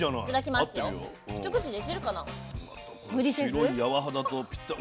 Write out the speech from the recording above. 白い柔肌とぴったり。